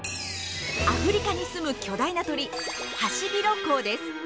アフリカに住む巨大な鳥ハシビロコウです！